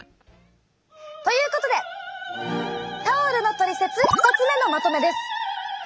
ということでタオルのトリセツ２つ目のまとめです。